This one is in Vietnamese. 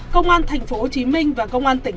công an tp hcm và công an tp hcm